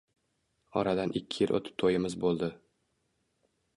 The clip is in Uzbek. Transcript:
Oradan ikki yil o`tib to`yimiz bo`ldi